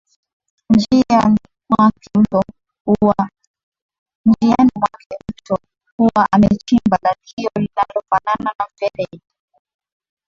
Njiani mwake mto huwa umechimba lalio linalofanana na mfereji